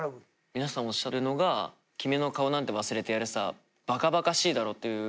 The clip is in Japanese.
皆さんおっしゃるのが「君の顔なんて忘れてやるさ馬鹿馬鹿しいだろ」という。